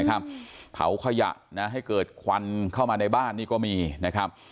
เผาขยะให้เกิดควันเข้ามาในบ้านนี่ก็มีนะครับ